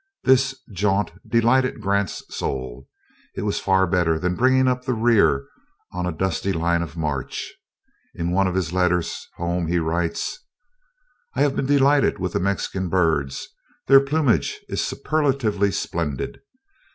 This jaunt delighted Grant's soul. It was far better than bringing up the rear on a dusty line of march. In one of his letters home he writes: "I have been delighted with the Mexican birds. Their plumage is superlatively splendid.